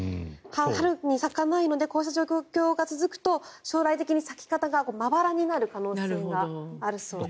春に咲かないのでこうした状況が続くと将来的に咲き方がまばらになる可能性があるそうです。